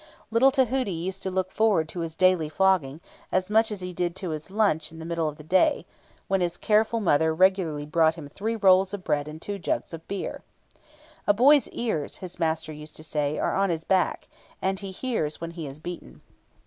Little Tahuti used to look forward to his daily flogging, much as he did to his lunch in the middle of the day, when his careful mother regularly brought him three rolls of bread and two jugs of beer. "A boy's ears," his master used to say, "are on his back, and he hears when he is beaten."